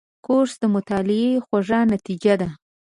کورس د مطالعې خوږه نتیجه ده.